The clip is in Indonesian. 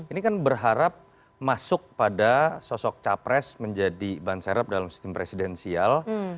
ini kan berharap masuk pada sosok capres menjadi ban serap dalam sistem presidensial